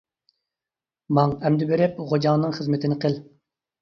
ماڭ، ئەمدى بېرىپ، غوجاڭنىڭ خىزمىتىنى قىل.